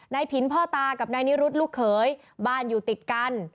ผินพ่อตากับนายนิรุธลูกเขยบ้านอยู่ติดกัน